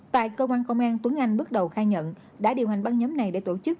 tại cơ quan công an tuấn anh bước đầu khai nhận đã điều hành băng nhóm này để tổ chức